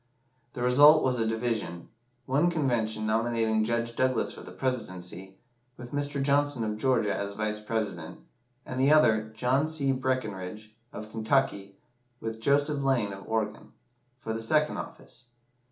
The result was a division one convention nominating Judge Douglas for the Presidency, with Mr. Johnson, of Georgia, as Vice President; and the other, John C. Breckinridge, of Kentucky, with Joseph Lane, of Oregon, for the second office.